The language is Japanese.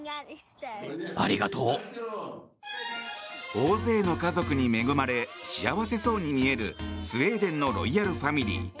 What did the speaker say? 大勢の家族に恵まれ幸せそうに見えるスウェーデンのロイヤルファミリー。